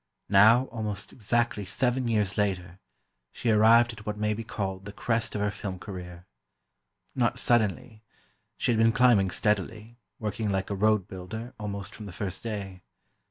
Now, almost exactly seven years later, she arrived at what may be called the crest of her film career. Not suddenly: she had been climbing steadily, working like a road builder, almost from the first day.